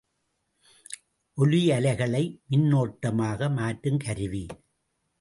ஒலியலைகளை மின்னோட்டமாக மாற்றுங் கருவி.